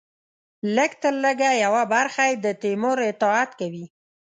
لږترلږه یوه برخه یې د تیمور اطاعت کوي.